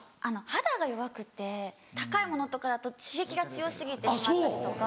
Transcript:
肌が弱くて高いものとかだと刺激が強過ぎてしまったりとか。